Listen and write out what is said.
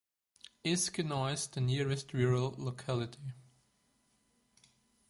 Iskinois the nearest rural locality.